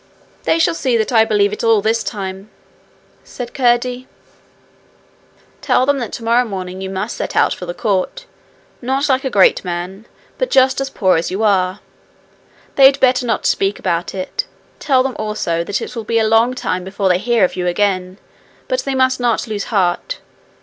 'They shall see that I believe it all this time,' said Curdie. 'Tell them that tomorrow morning you must set out for the court not like a great man, but just as poor as you are. They had better not speak about it. Tell them also that it will be a long time before they hear of you again, but they must not lose heart.